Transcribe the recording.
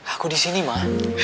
aku disini ma